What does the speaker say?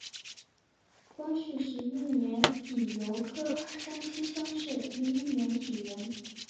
光绪十一年乙酉科江西乡试第一名举人。